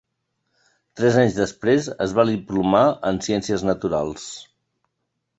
Tres anys després es va diplomar en ciències naturals.